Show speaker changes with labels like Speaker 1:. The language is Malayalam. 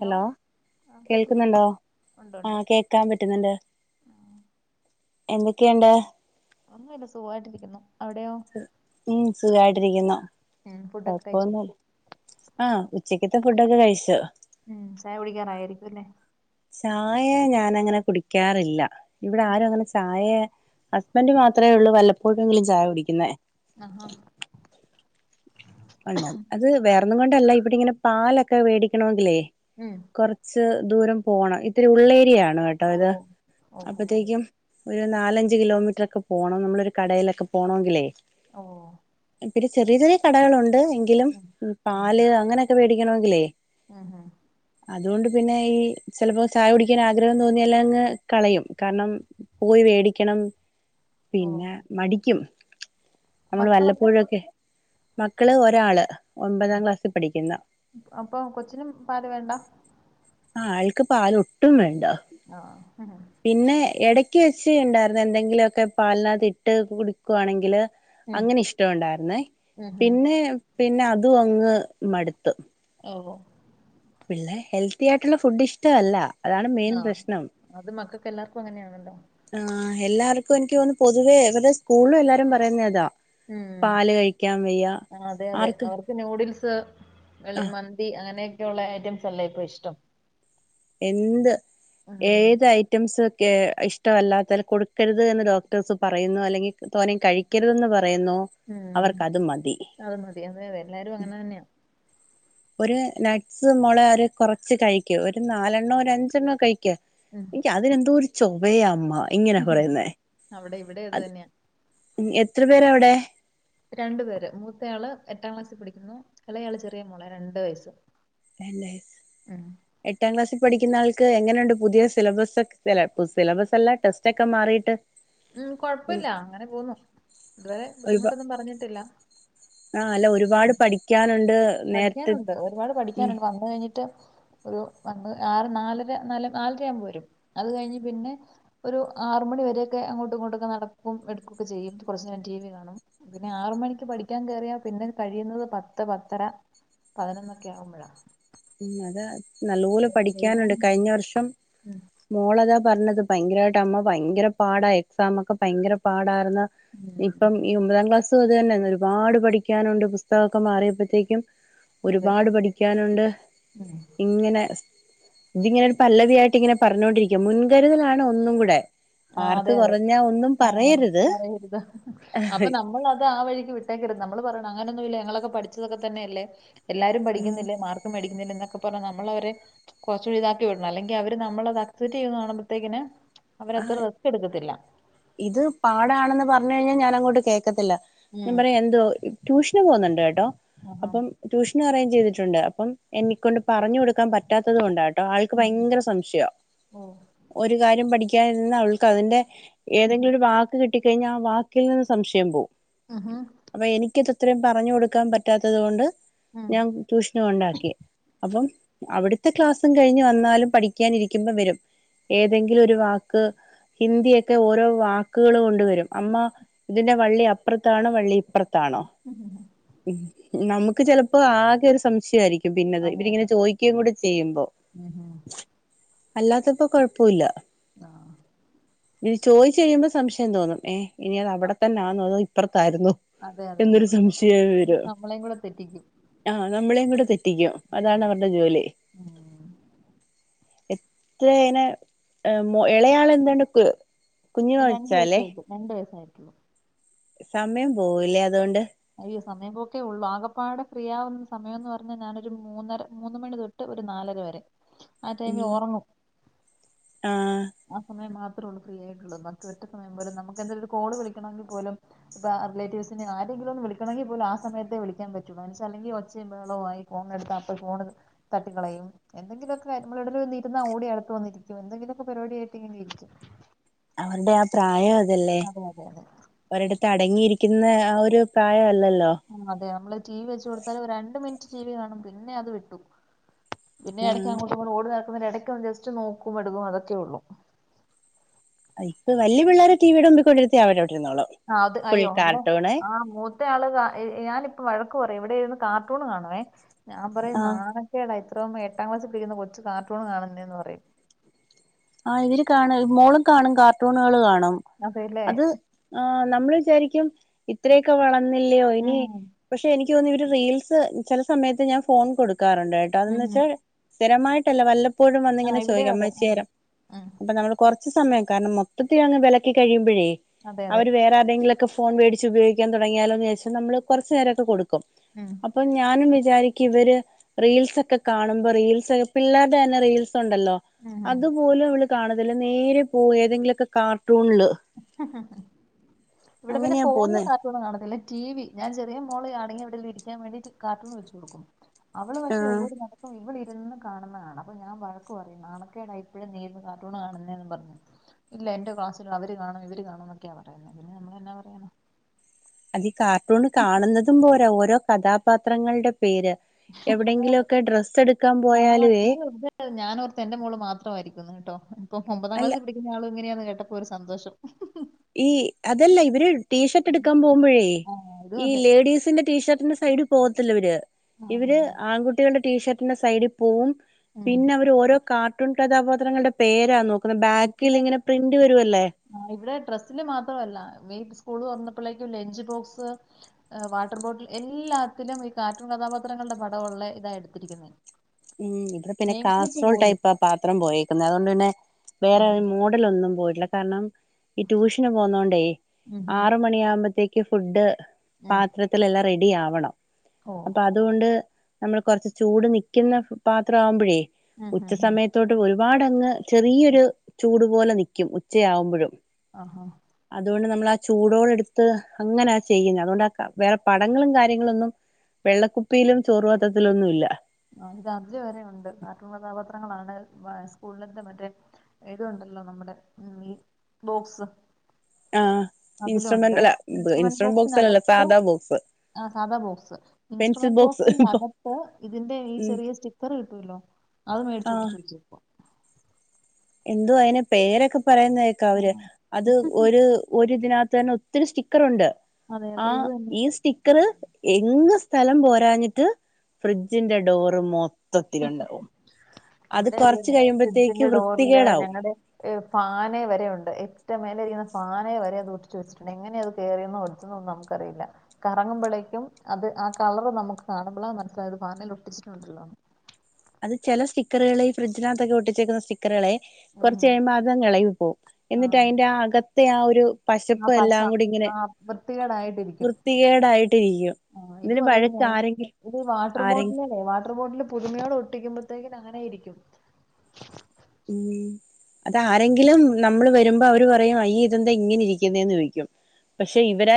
Speaker 1: ഹലോ
Speaker 2: ആ കേക്കുന്നുണ്ടോ
Speaker 1: കേൾക്കുന്നുണ്ടോ
Speaker 2: ഉണ്ട് ഉണ്ട്
Speaker 1: ആഹ് കേക്കാൻ പറ്റുന്നുണ്ട്
Speaker 2: ഉം.
Speaker 1: എന്തൊക്കെയുണ്ട്
Speaker 2: ഒന്നുമില്ല സുഖവായിട്ടിരിക്കുന്നു അവിടെയോ
Speaker 1: ഉം സുഖായിട്ടിരിക്കുന്നു
Speaker 2: ഉം ഫുഡൊക്കെ കഴിച്ചോ
Speaker 1: കൊഴപ്പൊന്നില്ല ആ ഉച്ചക്കത്തെ ഫുഡൊക്കെ കഴിച്ചു
Speaker 2: ഉം ചായകുടിക്കാറായാരിക്കുവല്ലേ
Speaker 1: ചായ ഞാൻ അങ്ങനെ കുടിക്കാറില്ലാ ഇവിടെ ആരും അങ്ങനെ ചായ ഹസ്ബന്റ് മാത്രേ ഉള്ളൂ വല്ലപ്പോഴെങ്കിലും ചായ കുടിക്കുന്നേ
Speaker 2: ആഹാ ആ
Speaker 1: വേണ്ട അത് വേറൊന്നും കൊണ്ടല്ല ഇവിടെ ഇങ്ങനെ പാലൊക്കെ വേടിക്കണോങ്കിലേ
Speaker 2: [unintelligible]
Speaker 1: കൊറച്ച് ദൂരം പോണം ഇത്തിരി ഉള്ളേരിയ ആണ് കേട്ടോ ഇത്
Speaker 2: ഓ ഓഹോ
Speaker 1: അപ്പത്തേക്കും ഒരു നാലഞ്ച് കിലോമീറ്ററൊക്കെ പോണം നമ്മളൊരു കടേലൊക്കെ പോണൊങ്കിലേ
Speaker 2: ഓ
Speaker 1: ഇത്തിരി ചെറിയ ചെറിയ കടകളൊണ്ട് എങ്കിലും
Speaker 2: ഉം
Speaker 1: പാല് അങ്ങനൊക്കെ വേടിക്കണോങ്കിലേ
Speaker 2: ആഹാ
Speaker 1: അതുകൊണ്ട് പിന്നെ ഈ ചെലപ്പോ ചായ കുടിക്കാനാഗ്രഹം തോന്നിയാലങ്ങ് കളയും കാരണം പോയി ‌വേടിക്കണം
Speaker 2: ഓ
Speaker 1: പിന്നെ മടിക്കും നമ്മള്
Speaker 2: മക്കളൊക്കെ
Speaker 1: വല്ലപ്പോഴൊക്കെ. മക്കള് ഒരാള്
Speaker 2: ഉം
Speaker 1: ഒമ്പതാം ക്ലാസ്സിൽ പഠിക്കുന്ന്
Speaker 2: അപ്പൊ കൊച്ചിനും പാല് വേണ്ട
Speaker 1: ആഹ് ആൾക്ക് പാലൊട്ടും വേണ്ട
Speaker 2: ആഹ്
Speaker 1: പിന്നെ എടക്ക് വെച്ച് ഇണ്ടാരുന്ന് എന്തെങ്കിലുവൊക്കെ പാലിനകത്തിട്ട് കുടിക്കുവാണെങ്കില്
Speaker 2: ഉം
Speaker 1: അങ്ങനെ ഇഷ്ടവുണ്ടാരുന്നേ
Speaker 2: ഉം ഉം
Speaker 1: പിന്നെ പിന്നെ അതു അങ്ങ് മടുത്ത്
Speaker 2: ഓഹോ
Speaker 1: പിള്ളേ ഹെൽത്തിയായിട്ടുള്ള ഫുഡ് ഇഷ്ടോവല്ലാ
Speaker 2: ആഹ് അത് മക്കക്കെല്ലാർക്കും അങ്ങനെയാണല്ലോ
Speaker 1: ആ എല്ലാർക്കും എനിക്കോന്ന് പൊതുവേ ഏകദേശം സ്കൂളിലും എല്ലാരും പറയുന്നേ അതാ
Speaker 2: ഉം
Speaker 1: പാല് കഴിക്കാൻ വയ്യാ
Speaker 2: ആ അതെ അതെ
Speaker 1: ആർക്കും
Speaker 2: അവർക്ക് നൂഡിൽസ്
Speaker 1: ആ
Speaker 2: അല്ലേ മന്തി അങ്ങനെയൊക്കെയുള്ള ഐറ്റംസ് അല്ലേ ഇപ്പം ഇഷ്ടം
Speaker 1: എന്ത്
Speaker 2: ഉം
Speaker 1: ഏതായി ഐറ്റംസൊക്കെ ഇഷ്ടവല്ലാത്തൽ കൊടുക്കരുത് എന്ന് ഡോക്ടേഴ്സ് പറയുന്നു അല്ലെങ്കിൽ തോനെ കഴി ഴിക്കരുതെന്ന് പറയുന്നോ
Speaker 2: ഉം അത് മതി അതെയെല്ലാരും അങ്ങനെ തന്നെയാ
Speaker 1: ഒര് നട്ട്സ് മോളെ ഒരു കൊറച്ച് കഴിക്ക് ഒരു നാലെണ്ണോ ഒരഞ്ചെണ്ണോ കഴിക്ക്
Speaker 2: ഉം
Speaker 1: എനിക്കതിനെന്തോരു ചൊവയാമ്മ
Speaker 2: അവിടെ ഇവിടെ അത് തന്നെയാ
Speaker 1: എത്ര പേരാ അവിടെ?
Speaker 2: രണ്ടുപേര് മൂത്തയാള് എട്ടാം ക്ലാസ്സിപഠിക്കുന്നു എളേയാള് ചെറിയ മോളാ രണ്ട് വയസ്സ്
Speaker 1: ഇല്ലാ ഇല്ല
Speaker 2: ഉം
Speaker 1: എട്ടാക്ലാസ്സിൽ പഠിക്കുന്നാൾക്ക് എങ്ങനൊണ്ട് പുതിയ സിലബസൊക്കെ അല്ല സിലബസ്സ്‌ അല്ല ടെസ്റ്റ് ഒക്കെ മാറിട്ട്
Speaker 2: ഉം കൊഴപ്പില്ലാ അങ്ങനെ പോന്നു ഇതുവരെ
Speaker 1: ഒരു
Speaker 2: ബുദ്ധിമുട്ടൊന്നും പറഞ്ഞിട്ടില്ല
Speaker 1: ആ അല്ലാ ഒരുപാട്
Speaker 2: ഉം
Speaker 1: പഠിക്കാനുണ്ട് നേരത്തെ
Speaker 2: പഠിക്കാനുണ്ട് ഒരുപാട്
Speaker 1: ഉം
Speaker 2: പഠിക്കാനുണ്ട് വന്ന് കഴിഞ്ഞിട്ട് ഒരു വന്ന് ആറ് നാലര നല് നാലരയാവുമ്പോവരും അത് കഴിഞ്ഞ് പിന്നെ ഒരു ആറുമണിവരെക്കെ അങ്ങോട്ടും ഇങ്ങോട്ടൊക്കെ നടക്കും എടുക്കുകൊക്കെ ചെയ്യും കൊറച്ചു നേരം ടിവി കാണും പിന്നെ ആറു മണിക്ക് പഠിക്കാൻ കേറിയാ പിന്നത് കഴിയുന്നത് പത്ത് പത്തര പതിനൊന്നൊക്കെ ആവുമ്പൊഴാ
Speaker 1: ഉം അത് നല്ലപോലെ പഠിക്കാനുണ്ട്
Speaker 2: എഴുതാനും
Speaker 1: കഴിഞ്ഞ
Speaker 2: വേണം
Speaker 1: വർഷം
Speaker 2: ഉം
Speaker 1: മോളതാ പറഞ്ഞത് പയങ്കരായിട്ട് അമ്മാ പയങ്കര പാടാ എക്സാമൊക്കെ പയങ്കര പാടാരുന്ന്
Speaker 2: ഉം
Speaker 1: ഇപ്പം ഈ ഒമ്പതാം ക്ലാസുഅതുത്തന്നെ ഒരുപാട് പഠിക്കാനുണ്ട് പുസ്തകൊക്കെ മാറിയപ്പോത്തേക്കും
Speaker 2: അതെ
Speaker 1: ഒരുപാട് പഠിക്കാനുണ്ട്.
Speaker 2: ഉം
Speaker 1: ഇങ്ങനെ ഇതിങ്ങനെ ഒരു പല്ലവിയായിട്ട് ഇങ്ങനെ പറഞ്ഞോണ്ടിരി‌ക്കും മുൻകരുതലാണ് ഒന്നും കൂടെ
Speaker 2: ആഹ് അതെ
Speaker 1: മാർക്ക്
Speaker 2: അതെ
Speaker 1: കുറഞ്ഞാ ഒന്നും
Speaker 2: ആഹ്
Speaker 1: പറയരുത്
Speaker 2: പറയരുത് അപ്പൊ നമ്മൾ അത് ആ വഴിക്ക് വി ത്തേക്കിടും നമ്മൾ പറയും അങ്ങനൊന്നും ഇല്ല ഞങ്ങളൊക്കെ പഠിച്ചതൊക്കെ തന്നെയല്ലേ എല്ലാരും
Speaker 1: ഉം
Speaker 2: പഠിക്കുന്നില്ലെ മാർ മേടിക്കുന്നില്ല എന്നൊക്കെ പറഞ് നമ്മള അവരെ കുറച്ചൂടി ഇതാക്കി വിടണം, അല്ലെങ്കി അവര്മ്മളത് അക്സെ്റ്റ് ചെയ്യുന്ന കാണുമ്പോഴത്തേക്കനും
Speaker 1: ആ
Speaker 2: അവരത്ര റെസ്റ്റ് എടുക്കത്തില്ല
Speaker 1: ഇത് പാടാണെന്ന് പർഞ്ഞ് കഴ്ഞ്ഞാ ഞാൻ അങ്ങോട്ട് കേക്കത്തില്ല ഞാൻ
Speaker 2: ഉം
Speaker 1: പറയാ എന്തോ ട്യൂഷന് പോവ്ന്നുണ്ട്ട്ടോ
Speaker 2: ആഹാ
Speaker 1: അപ്പം ട്യൂഷന് അറേഞ്ച് ചെയ്തിട്ടുണ്ട് അപ്പം എന്നെക്കൊണ്ട് പറഞ്ഞു കൊടുക്കാൻ പറ്റാത്തത് കൊണ്ടാട്ടോ ആൾക്ക്
Speaker 2: ഉം
Speaker 1: ഭയങ്കര സംശയോ
Speaker 2: ഓ
Speaker 1: ഒരു കാര്യം പഠിക്കാൻ ഇരുന്ന ആൾക്ക് അയിന്റെ ഏതെങ്കിലും
Speaker 2: ഉഹും.
Speaker 1: ഒരു വാ ക്ക് കിട്ടി കഴിഞ്ഞ ആ വാക്കിൽ നിന്ന് സംശയം പോവും
Speaker 2: ആഹാ
Speaker 1: അപ്പൊ എനിക്ക്ത്തെത്ത്രയും പറഞ്ഞു കൊടുക്കാൻ പറ്റാത്തത് കൊണ്ട്
Speaker 2: ഉം.
Speaker 1: ഞാൻ ട്യൂഷ്നു കൊണ്ടാക്കി അപ്പം അവിടുത്തെ ക്ലാസ്സും കഴിഞ്ഞ് വന്നാലും പഠിക്കാനിരിക്കുമ്പ വെരും. ഏതെങ്കിലും ഒരു വാക്ക് ഹിന്ദിയൊക്കെ ക്കെ ഓരോ വാക്ക്‌കൾ കൊണ്ട്‌വരും അമ്മ ഇതിന്റെ വള്ളി അപ്പർത്താണോ വള്ളി ഇപ്പർ താണോ
Speaker 2: ഉഹും.
Speaker 1: ഉം നമുക്ക് ചെലപ്പോ ആകെ ഒര് സംശയായിരി ക്കും പിന്നെത്
Speaker 2: അതെ
Speaker 1: ഇവരിങ്ങനെ
Speaker 2: അതെ
Speaker 1: ചോദിക്കുകയും കൂടെ ചെയ്യുമ്പോ.
Speaker 2: ഉഹും.
Speaker 1: അല്ലാത്തപ്പോ കൊഴപ്പൂല്ല
Speaker 2: ആഹ്
Speaker 1: ഇങ്ങനെ ചോദിച്ച് കഴിയുമ്പോ സംശയം തോന്നും. ഏഹ ഇനി അത് അവിടെ തന്നെ ആണോ അതൊ പ്പർത്തായിരുന്നു
Speaker 2: അതെ അതെ
Speaker 1: എന്നൊരു സംശയം വര
Speaker 2: നമ്മളെയും കൂടെ തെറ്റിക്കും
Speaker 1: ആഹ നമ്മളേയും കൂടെ തെറ്റിക്കും അതാണ് അവരുടെ ജോലി.
Speaker 2: ഉം.
Speaker 1: എത്ര എയിനെ എ മോ എളയാള് എന്താണ്ട് ക്ക്
Speaker 2: എഹ് രണ്ടു വയസ്സായിരിക്കും രണ്ട് വയസ്സായിരിക്കുള്ളൂ
Speaker 1: സമയം പോവുലേ അതോണ്ട്
Speaker 2: അയ്യോ സമയംപോക്കെ ഉള്ളൂ ആകപ്പാടെ ഫ്രീ ആവുന്ന സമയം എന്ന് പറഞ്ഞാൽ ഞാനൊരു മൂന്നര മൂന്ന് മണി തൊ ട്ട് ഒരു നാലര വരെ ആതൈമി
Speaker 1: ഉം
Speaker 2: ഓർങ്ങും
Speaker 1: ആഹ്
Speaker 2: ആ സമയം മാത്രേ ഉള്ളൂ ഫ്രീ ആയിട്ടുള്ളൂ. നമക്ക് ഒറ്റ സമയം പോലും നമുക്ക് എന്തായാലും കാൾ വിളിക്കണെങ്കിൽ പോലും. ബാ ആ റിലേറ്റീവ്സിന് ആര് ആർക്കെങ്കിലും വിളിക്കണെങ്കിൽ പോലും ആ സമയത്തെ വിളിക്കാൻ പറ്റുള്ളൂ അല്ലെങ്കലൊച്ചേം ബഹളോം ആയി പോകും എടുത്ത അപ്പ ഫോണ് തട്ടികളയും എന്തെങ്കിലൊക്കെര് നമ്മള് എവിടെലു വന്ന് ഇരുന്ന ഓടി അടുത്ത് വന്നിരിക്കും എന്തെങ്കിലൊക്കെ പരിപാടിയയിട്ട് ഇങ്ങനെ ഇരിക്കും
Speaker 1: അവരുടെ ആ പ്രായം അതല്ലേ
Speaker 2: അതെ അതെ അതെ
Speaker 1: ഒരിടത്ത് അടങ്ങിയിരിക്കുന്ന ആ ഒരു പ്രായമല്ലല്ലോ
Speaker 2: ആഹ് അതെ നമ്മള് ടി വി വെച്ച് കൊടുത്താല് അവര് രണ്ട് മിനിറ്റ് ടി വി കാണും പിന്നെ അത് വിട്ടു പിന്നെ എടയ്ക്ക്
Speaker 1: ആഹ്
Speaker 2: അങ്ങോട്ടും ഇങ്ങോട്ടും ഓടി നടക്കുന്ന ഇടയ്ക്ക് ജസ്റ്റ് നോക്കും എടുകും അതൊക്കെ ഒള്ളൂ
Speaker 1: ഇപ്പ വലിയ പിള്ളേരെ ടിവിയുടെ മുമ്പിൽ കൊണ്ടിരുത്തിയാ അവരവിടെ ഇരുന്നോളും.
Speaker 2: ആ അത്
Speaker 1: ഫുൾ
Speaker 2: അയ്യോ ഇവിടെ
Speaker 1: കാർട്ടൂണ്
Speaker 2: ആ മൂ മറ്റേ ആള് ക ഈ ഞാനിപ്പ വഴക്ക് പറയും ഇവിടെ ഇരിന്ന് കാർട്ടൂൺ കാണുവെ ഞാൻ പറയും
Speaker 1: ആഹ്
Speaker 2: നാളെ കേടാ ഇത്രയും എട്ടാം ക്ലാസ്സിൽ പഠിക്കുന്ന കൊച്ച് കാർട്ടൂൺ കാണുന്നതന്ന് പറയും
Speaker 1: ആഹ് ഇവര് കാണൊയ് മോളും കാണും കാർട്ടൂണ്കള് കാണും.
Speaker 2: അതേലേ
Speaker 1: അത് ആഹ് നമ്മൾ വിചാരിക്കും ഇത്രയൊക്കെ വളർന്നില്ലയോ
Speaker 2: ഉം
Speaker 1: ഇനി പക്ഷെ എനിക്ക് തോന്നുന്നു ഇവര് റീൽസ് ചില സമയത്ത് ഞാൻ ഫോൺ കൊടുക്കാറുണ്ട് തെട്ടോ
Speaker 2: ഉം
Speaker 1: അതന്ന്
Speaker 2: ഉം.
Speaker 1: വെച്ചാൽ സ്ഥിരമായിട്ടല്ല വല്ലപ്പോഴും
Speaker 2: ആ
Speaker 1: വന്നിങ്ങനെ
Speaker 2: ഇവിടെയും
Speaker 1: ചോദിക്കാം
Speaker 2: അതെ
Speaker 1: അമ്മച്ചേം
Speaker 2: ഉം
Speaker 1: അപ്പൊ നമ്മള് കുറച്ച് സമയം കാരണം മൊത്തത്തിൽ അങ്ങ് വെലക്കി കഴിയുമ്പഴേ
Speaker 2: അതെ അതെ
Speaker 1: അവര് വേറെ ന്തെങ്കിലൊക്കെ ഫോൺ വേടിച്ച് ഉപയോഗിക്കാൻ തുടങ്ങിയാലോന്ന് വിചാരിച്ചു നമ്മൾ കുറച്ച്നേരൊക്കെ കൊടുക്കും
Speaker 2: ഉം
Speaker 1: അപ്പൊ ഞാനും വിചാരിക്കും ഇവര് റീൽസൊക്കെ കാണുമ്പോ റീൽസ് പിള്ളാർഡന്നെ റീൽസ്ഒണ്ടല്ലോ
Speaker 2: ഉംഹും
Speaker 1: അതുപോലും ഇവള് കാണതില്ല നേരെ പോവും ഏതെങ്കിലൊക്കെ കാർട്ടൂണില്
Speaker 2: ഹ ഹ ഹ ഇവിടെ പിന്നെ
Speaker 1: അങ്ങനെയാ പോകുന്നത്
Speaker 2: ഫോണി ണത്തില്ല ടിവി ഞാൻ ചെറിയ മോള് അടങ്ങിയവിടേലും ഇരിക്കാൻ വേണ്ടിയിട്ട് കാർട്ടുൺ വെച്ച് കൊടുക്കും അവള് പക്ഷെ
Speaker 1: ആഹ്
Speaker 2: ഓടി നട അപ്പ ഇവിളരുന്ന് കാണുന്നതാണ് കാണാ അപ്പൊ ഞാൻ വഴക്ക്പറയും നാണക്കേടായി ഇപ്പോഴും നീഇരുന്ന് കാർട്ടൂണ് കാണുന്നെന്നും പറഞ് ഇല്ല എന്റെ ക്ലാസ്സില് അവര് കാണും ഇവര് കാണുംന്നൊക്കെയാ പറയുന്നെ പിന്നെ നമ്മൾ എന്നാ പറയാന
Speaker 1: അതി കാർട്ടൂണ് കാണുന്നതും പോര ഓരോ കഥാപാത്രങ്ങൾടെ പേര്
Speaker 2: അതെ അതെ
Speaker 1: എവിടെങ്കിലൊക്കെ ഡ്രസ്
Speaker 2: ആ ഇഞ്ഞ് വെർതെ ഞാനോർത്ത് എന്റെ മോള് മാത്രവായിരിക്കുന്ന് കേട്ടോ ഇപ്പൊ ഒമ്പതാം
Speaker 1: അല്ല
Speaker 2: ക്ലാസിൽ ന്റെ മോളും ഇങ്ങനെയാന്ന് കേട്ടപ്പോ ഒരു സന്തോഷം ഹ ഹ ഹ
Speaker 1: ഈ അതല്ല ഇവര് ടീഷർട്ട് എടുക്കാൻ പോകുമ്പോഴേ
Speaker 2: ആ ഇതും
Speaker 1: ഈ
Speaker 2: അതെ
Speaker 1: ലേഡീസിന്റെ ടീഷർട്ടിന്റെ സൈഡ് പോകത്തില്ലവര്
Speaker 2: ആ
Speaker 1: ഇവര് ആൺകുട്ടികളുടെ ടീഷർട്ടിന്റെ സൈഡിൽ പോവും
Speaker 2: ഉം.
Speaker 1: പിന്നെ അവർ ഓരോ കാർട്ടൂൺ കഥാപാത്രങ്ങളുടെ പേരാ നോക്കുന്നെ ബാക്കിൽ ഇങ്ങനെ പ്രിന്റ് വരുല്ലേ
Speaker 2: ആഹ് ഇവരെ ഡ്രസ്സില് മാത്രവല്ല മെയ്റ്റ് സ്കൂള് തുറന്നപ്പോഴേക്ക് ലഞ്ച് ബോക്സ് വാട്ടർ ബോട്ടിൽ എല്ലാത്തിലും ഈ കാർറ്റൂൺ കഥാപാത്രങ്ങളുടെ പടവുള്ളെ ഇതാട്ത്തിരിക്കുന്നെ
Speaker 1: ഉം ഇവിടെ പിന്നെ കാസ്ട്രോൾ ടൈപ്പ പാത്രം പോയേക്കുന്നത് അതോണ്ട് പിന്നെ
Speaker 2: ആ
Speaker 1: വേറെ മോ ട്ട്ലൊന്നും പോയിട്ടില്ല കാരണം ഈ ട്യൂഷന് പോന്നോണ്ടെ
Speaker 2: ഉം ഉം
Speaker 1: ആറുമണിയാമ്പത്തേക്ക് ഇ ഫുഡ്ഡ്
Speaker 2: ഉം
Speaker 1: പാത്രത്തിലെല്ലാം റെഡി ആവണം
Speaker 2: ഓ
Speaker 1: അപ്പ അതുകൊണ്ട് നമ്മൾ കുറച്ച് ചൂട് നിക്കുന്ന പാത്ര ആവുമ്പോഴേ
Speaker 2: ഉം ഉം ഉം
Speaker 1: ഉച്ചസമയ തോട്ട് ഒരുപാടങ്ങ് ചെറിയൊരു ചൂട് പോലെ നിക്കും ഉച്ചയാവുമ്പഴും
Speaker 2: ആഹ് ആഹ്
Speaker 1: അതുകോണ്ട് നമ്മൾ ആ ചൂടോടെടുത്ത് അങ്ങനേ ചെയ്യുന്നെ അതുകൊണ്ട് ആ വേറെ പടങ്ങളും കാര്യങ്ങളോന്നും വെള്ളക്കുപ്പിയിലും ചോറ്പാത്രത്തിലൊന്നും ഇല്ല
Speaker 2: ആ ഇത് അർജു വരെ ഉണ്ട് കാർട്ടൂൺ കഥാപത്രങ്ങളാണേൽ സ്കൂളിലത്തെ മറ്റേ ഇത് ണ്ടല്ലോ നമ്മുടെ ഉ ഈ ബോക്സ്‌
Speaker 1: ആഹ് ഇൻസ്ട്രുമെന്റ് അല്ല ഇൻസ്ട്രുമെന്റ് ബോക്സല്ല സാധാ ബോക്സ്
Speaker 2: ആ സാദാ ബോക്സ്
Speaker 1: പെൻസിൽ
Speaker 2: ഇൻസ്ട്രുമെന്റ്
Speaker 1: ബോക്സ്
Speaker 2: ബോക്സിനകത്ത്, ഇതിന്റെ ഈ
Speaker 1: ഉം
Speaker 2: ചെറിയ സ്റ്റിക്കർ കിട്ടോല്ലോ അത് മേടിച്ച് ഒട്ടിച്ചുവെച്ചേക്കുവാ!
Speaker 1: എന്തുവാ അയ്ന് പേരൊക്കെ പറയുന്നകേൾക്ക
Speaker 2: ആ
Speaker 1: അവര് അത് ഒരു ഒര്തിനകത്തു തന്നെ ഒത്തിരി സ്റ്റിക്കറുണ്ട്
Speaker 2: അതെ അതെ
Speaker 1: ആഹ്
Speaker 2: ഇത് തന്നെ
Speaker 1: ഈ സ്റ്റി ക്കർ എങ്ങും സ്ഥലം പോരാഞ്ഞിട്ട് ഫ്രിഡ്ജിന്റെ ഡോറ് മോ തത്തിലുണ്ടവും
Speaker 2: ഇവിടെ അത് തന്നെ ഫ്രിഡ്ജിന്റെ ഡോറ്ല്
Speaker 1: വൃത്തികേടാവും
Speaker 2: ഞങ്ങടെ ഹ് ഫാനെ വരെ ഉണ്ട് ഏറ്റും മേലെ ഇരിക്കുന്ന ഫാനെവരെത് ഒട്ടിച്ചു വെച്ചിട്ടുണ്ട് എങ്ങനെത് കേറിയന്നോ ഒ തോന്നും നമുക്കറീല്ല! കറങ്ങുമ്പോളെക്കും അത് ആഹ് കളറ് നമുക്ക് കാണുമ്പോളാ മനസ്സിലായത് ഫാനിൽ ഒട്ടിച്ചിട്ടുണ്ടല്ലോന്ന്
Speaker 1: അത് ചില സ്റ്റിക്കറുകള് ഈ ഫ്രഡ്ജിനകത്തൊ ഒട്ടിച്ചേകുന്ന സ്റ്റി ക്കറ്കളെ കുറച്ച്
Speaker 2: ഉം.
Speaker 1: കഴിയുമ്പ അതങ് എളകി പോവും
Speaker 2: ആ
Speaker 1: എന്നിട്ട് അതയ്ന്റെ ആഹ് അകത്തെ ആഹ് ഒരു
Speaker 2: ആ
Speaker 1: പശപ്പ്
Speaker 2: പശ
Speaker 1: എല്ലാം കൂടി ഇങ്ങനെ
Speaker 2: ആ വൃത്തികേടായിട്ടിരിക്കും
Speaker 1: വൃത്തികേടായിട്ടിരിക്കും
Speaker 2: ആ
Speaker 1: ഇതിന്
Speaker 2: ഇതും അത്
Speaker 1: വഴക്ക്
Speaker 2: തന്നെ
Speaker 1: ആരെങ്കിലും
Speaker 2: ഇത് വാട്ടർ
Speaker 1: ആരെ
Speaker 2: ബോട്ടിലില്ലേ വാട്ടർ ബോട്ടിൽ പുതുമയോടെ ഒട്ടിക്കുമ്പോത്തേക്കിന് അങ്ങനെയിരിക്കും
Speaker 1: ഉം അതാരെങ്കിലും നമ്മള് വരുമ്പോ അവര് പറയും അയ്യേ ഇതെന്താ ഇങ്ങനെ ഇരിക്യുന്നെന്ന് ചോയ്ക്കും പക്ഷെ ഇവരാ